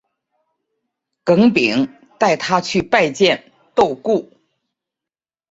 耿秉带他去拜见窦固。